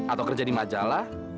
atau kerja di majalah